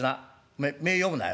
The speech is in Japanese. おめえ目ぇ読むなよ。